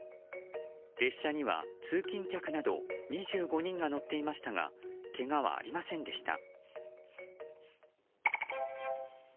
列車には通勤客など２５人が乗っていましたがけがはありませんでした。